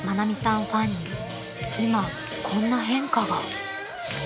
ファンに今こんな変化が］